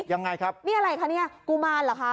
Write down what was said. ยังไงครับแบบนี้อะไรคะกูมารเหรอ